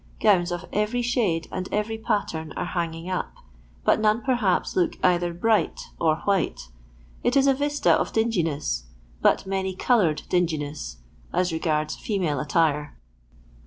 Gowns of every shade and every pattern are hanging up, but none, perhaps, look either bright or white ; it is a vista of dinginess, but many coloured dingi ness, as regards female attire.